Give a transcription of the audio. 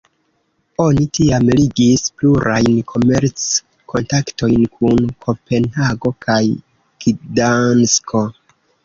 Oni tiam ligis plurajn komerc-kontaktojn kun Kopenhago kaj Gdansko.